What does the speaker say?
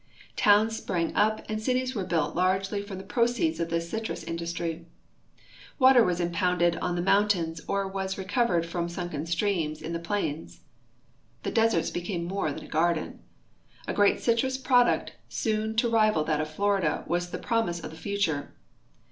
Towns sprang up and cities were built largely from the proceeds of this citrus industry. Water was impounded in the mountains or was recovered from sunken streams in the plains. The desert became more than a garden. A great citrus ju'oduct soon to rival that of Florida was the promise of the future.